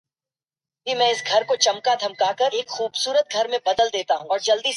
Galacticomm's slow response in adapting to the web-based online model probably was fatal.